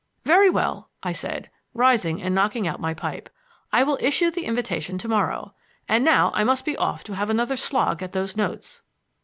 "Very well," I said, rising and knocking out my pipe. "I will issue the invitation to morrow. And now I must be off to have another slog at those notes."